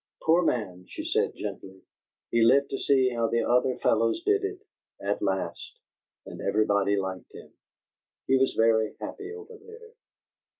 "Poor man," she said, gently, "he lived to see 'how the other fellows did it' at last, and everybody liked him. He was very happy over there."